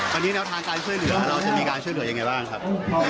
ตอนนี้แนวทางการช่วยเหลือเราจะมีการช่วยเหลือยังไงบ้างครับ